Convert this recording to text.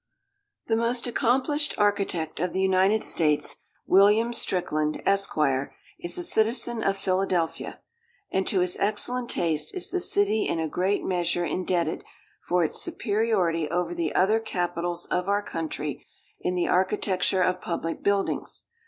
The most accomplished architect of the United States, William Strickland, Esq., is a citizen of Philadelphia; and to his excellent taste is the city in a great measure indebted for its superiority over the other capitals of our country in the architecture of public buildings.